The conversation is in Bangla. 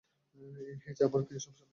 এই যে আমার প্রিয় -- শ্যাম্পেন।